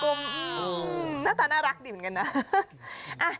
หน้าตาน่ารักดีเหมือนกันนะ